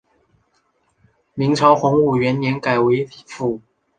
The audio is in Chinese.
明朝洪武元年改为府。